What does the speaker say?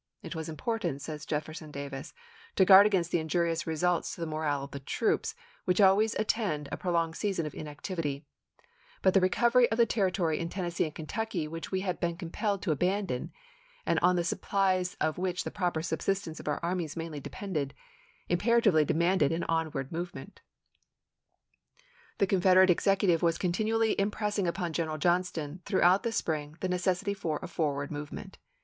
" It was important," says Jefferson Davis, "to guard against the injurious results to the morale of the troops, which always attend a pro longed season of inactivity ; but the recovery of the territory in Tennessee and Kentucky which we had been compelled to abandon, and on the supplies of which the proper subsistence of our armies mainly depended, imperatively demanded an onward move ment." The Confederate executive was continually impressing upon General Johnston, throughout the spring, the necessity for a forward movement.